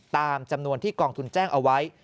ตามจำนวนที่กองทุนแจ้งเอาไว้